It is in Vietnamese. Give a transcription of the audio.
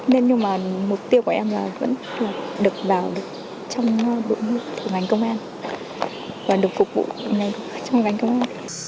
nhưng mà mục tiêu của em là vẫn được vào trong bộ ngành công an và được phục vụ trong ngành công an